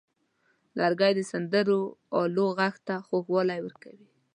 لرګی د سندرو آلو غږ ته خوږوالی ورکوي.